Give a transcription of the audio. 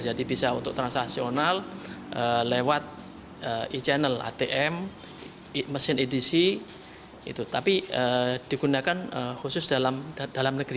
jadi bisa untuk transaksional lewat e channel atm mesin edc tapi digunakan khusus dalam negeri